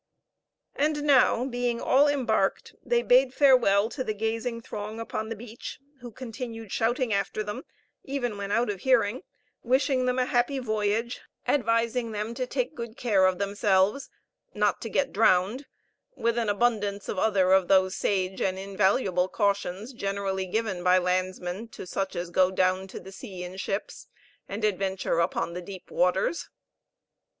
And now, all being embarked, they bade farewell to the gazing throng upon the beach, who continued shouting after them, even when out of hearing, wishing them a happy voyage, advising them to take good care of themselves, not to get drowned with an abundance of other of those sage and invaluable cautions generally given by landsmen to such as go down to the sea in ships, and adventure upon the deep waters.